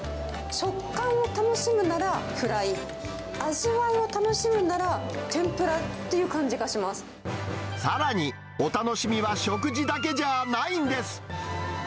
食感を楽しむならフライ、味わいを楽しむなら天ぷらっていう感じさらに、お楽しみは食事だけじゃないんです。